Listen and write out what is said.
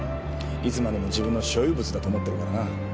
いつまでも自分の所有物だと思ってるからな。